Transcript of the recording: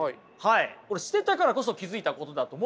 これ捨てたからこそ気付いたことだと思うんですよね。